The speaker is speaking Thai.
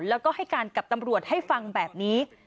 แล้วก็ให้การกับตำรวจให้ฟังแบบนี้